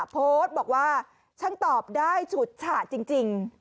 โพสต์บอกว่าช่างตอบได้ฉุดฉะจริง